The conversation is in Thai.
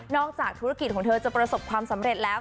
จากธุรกิจของเธอจะประสบความสำเร็จแล้ว